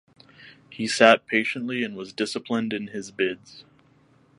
He sat patiently and was disciplined in his bids.